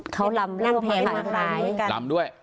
เขารำนั่งแผงมาขาย